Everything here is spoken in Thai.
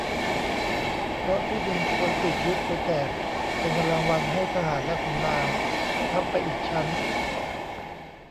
เพราะที่ดินถูกอังกฤษยึดไปแจกเป็นรางวัลให้ทหารและขุนนาง ทับไปอีกชั้น